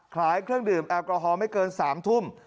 ขายเครื่องดื่มแอลกอฮอลไม่เกิน๓ทุ่ม